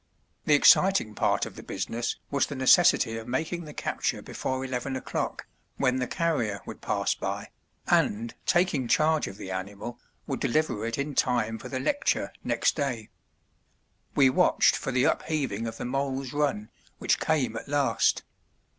The exciting part of the business was the necessity of making the capture before eleven o'clock, when the carrier would pass by, and, taking charge of the animal, would deliver it in time for the lecture next day. We watched for the upheaving of the mole's run which came at last.